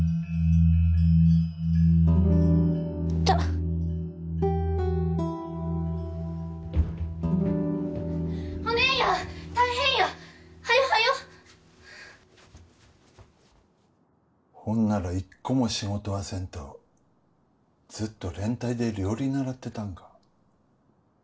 痛ッお姉やん大変やはよはよほんならいっこも仕事はせんとずっと連隊で料理習ってたんか？